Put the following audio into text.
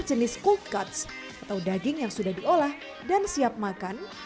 dan jenis cold cuts atau daging yang sudah diolah dan siap makan